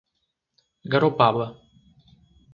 Garopaba